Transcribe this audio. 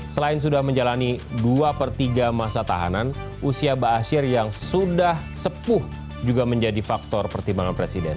selain sudah menjalani dua per tiga masa tahanan usia ⁇ baasyir ⁇ yang sudah sepuh juga menjadi faktor pertimbangan presiden